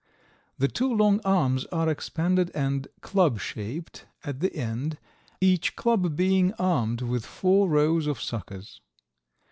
The two long arms are expanded and club shaped at the end, each club being armed with four rows of suckers.